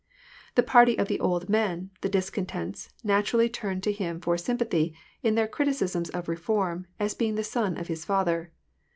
The party of the old men, the discontents, naturally turned to him for sympathy, in their criticisms of reform, as being the son of his father.